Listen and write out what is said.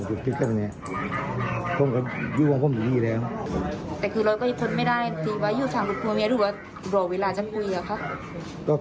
แต่คือเราก็จะทนไม่ได้ที่วันทานผมด้วยวาดรอเวลาจะพูดหรอครับ